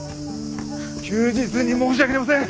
休日に申し訳ありません。